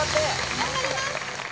頑張ります！